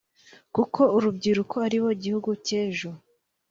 kuko urubyiruko aribo gihugu cy’ejo